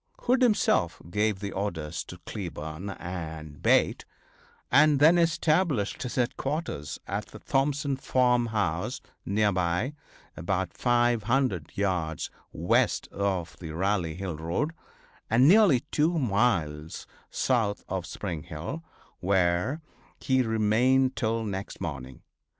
Hood himself gave the orders to Cleburne and Bate, and then established his headquarters at the Thompson farm house, near by, about 500 yards west of the Rally Hill road, and nearly two miles south of Spring Hill, where he remained till next morning.